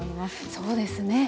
そうですね。